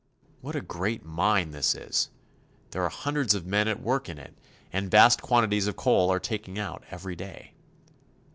What a great mine this is ! There are hundreds of men 148 CHILE. at work in it, and vast quantities of coal are taken out every day.